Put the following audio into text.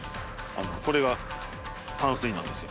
これが淡水なんですよ。